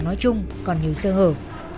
nói chung còn nhiều sơ hở